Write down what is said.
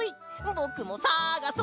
ぼくもさがそ！